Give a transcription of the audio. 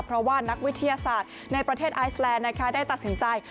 เพราะว่านักวิทยาศาสตร์ในประเทศไอซแลนด์นะคะได้ตัดสินใจ